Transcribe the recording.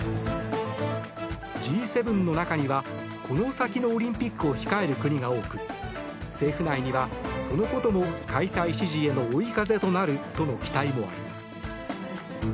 Ｇ７の中にはこの先のオリンピックを控える国が多く政府内には、そのことも開催支持への追い風となるとの期待もあります。